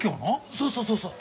そうそうそうそう。